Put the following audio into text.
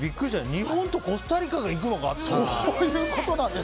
日本とコスタリカがいくのかって。